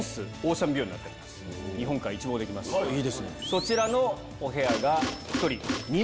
そちらのお部屋が。